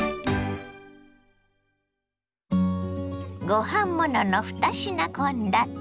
ご飯ものの２品献立。